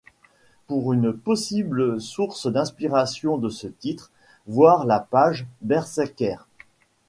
Pour une possible source d'inspiration de ce titre, voir la page Berserker.